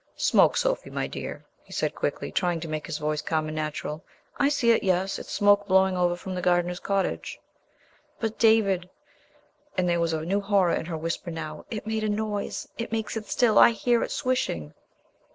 "Smoke, Sophie, my dear," he said quickly, trying to make his voice calm and natural. "I see it, yes. It's smoke blowing over from the gardener's cottage...." "But, David," and there was a new horror in her whisper now "it made a noise. It makes it still. I hear it swishing."